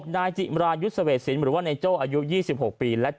๖นายจิมรายุสเซวดศิลป์หรือว่าในโจ๊กอายุ๒๖ปี